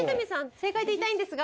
正解と言いたいんですが。